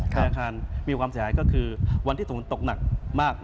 ภายในอาคารมีความสะหายก็คือวันที่ตกหนักมาก